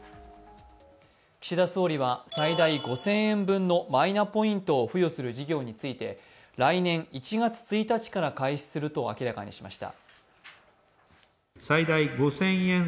岸田総理は最大５０００円分のマイナポイントを付与する事業について来年１月１日から開始すると述べました。